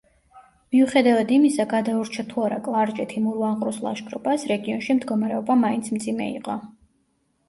მიუხედავად იმისა, გადაურჩა თუ არა კლარჯეთი მურვან ყრუს ლაშქრობას, რეგიონში მდგომარეობა მაინც მძიმე იყო.